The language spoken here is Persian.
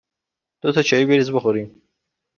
دو تا چایی بریز بخوریم